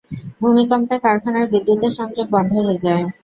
ভূমিকম্পে কারখানার বিদ্যুতের সংযোগ বন্ধ হয়ে যায়।